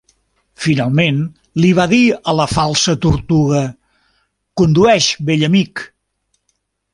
Finalment, li va dir a la Falsa Tortuga, "Condueix, vell amic!"